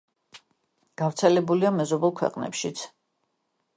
გავრცელებულია მეზობელ ქვეყნებშიც.